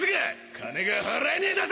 金が払えねえだと！？